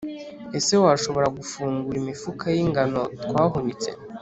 ese washobora gufungura imifuka y’ingano twahunitse,